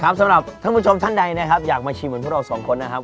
สำหรับท่านผู้ชมท่านใดนะครับอยากมาชิมเหมือนพวกเราสองคนนะครับ